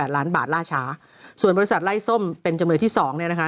ล้านบาทล่าช้าส่วนบริษัทไล่ส้มเป็นจำเลยที่๒เนี่ยนะคะ